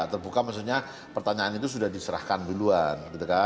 terbuka maksudnya pertanyaan itu sudah diserahkan duluan